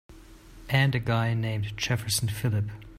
And a guy named Jefferson Phillip.